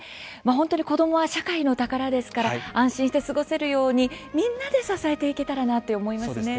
本当に子どもは社会の宝ですから安心して過ごせるようにみんなで支えていけたらなって思いますね。